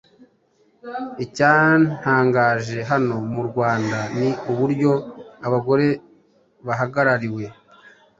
Icyantangaje hano mu Rwanda ni uburyo abagore bahagarariwe